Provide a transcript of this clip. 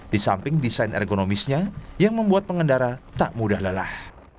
di samping desain ergonomisnya yang membuat pengendara tak mudah lelah